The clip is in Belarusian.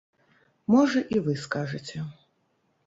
Можа, і вы скажаце.